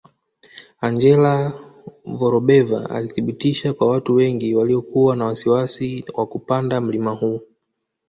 Angela Vorobeva alithibitisha kwa watu wengi waliokuwa na wasiwasi wa kupanda mlima huu